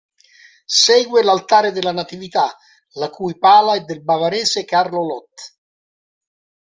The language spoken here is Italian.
Segue l'altare della Natività, la cui pala è del bavarese Carlo Loth.